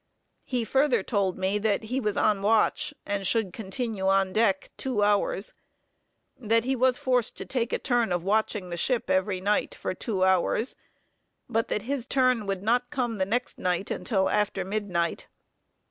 He further told me that he was on watch, and should continue on deck two hours. That he was forced to take a turn of watching the ship every night, for two hours; but that his turn would not come the next night until after midnight.